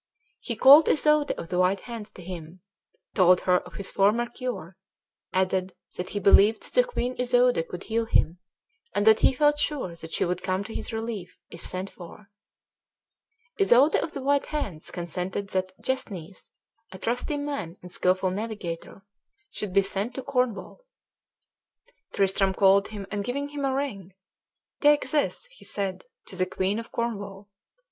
He called Isoude of the White Hands to him, told her of his former cure, added that he believed that the Queen Isoude could heal him, and that he felt sure that she would come to his relief, if sent for. Isoude of the White Hands consented that Gesnes, a trusty man and skilful navigator, should be sent to Cornwall. Tristram called him, and, giving him a ring, "Take this," he said, "to the Queen of Cornwall.